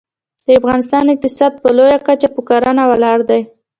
د افغانستان اقتصاد په لویه کچه په کرنه ولاړ دی